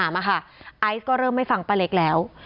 ไอซ์ก็เริ่มไม่ฟังป้าเล็กแล้ว